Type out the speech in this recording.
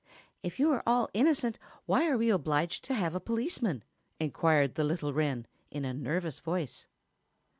"If you are all innocent, why are we obliged to have a policeman?" enquired the little wren, in a nervous voice.